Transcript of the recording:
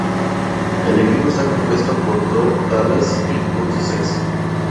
El equipo está compuesto por Bo Dallas y Curtis Axel.